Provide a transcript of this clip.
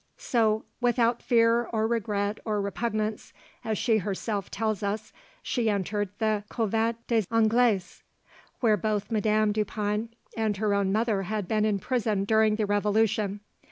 So, 'without fear, or regret, or repugnance,' as she herself tells us, she entered the 'Couvent des Anglaises,' where both Madame Dupin and her own mother had been imprisoned during the Revolution.